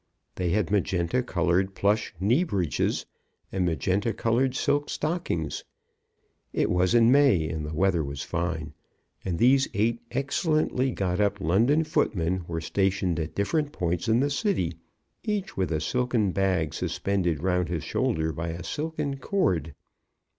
They had magenta coloured plush knee breeches, and magenta coloured silk stockings. It was in May, and the weather was fine, and these eight excellently got up London footmen were stationed at different points in the city, each with a silken bag suspended round his shoulder by a silken cord.